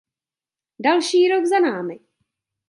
Další rok za námi.